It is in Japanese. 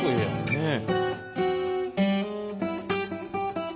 ねえ。